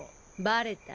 バレた？